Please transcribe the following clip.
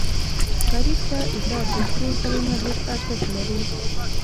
غریب ته عزت د سرو زرو نه ډېر ارزښت لري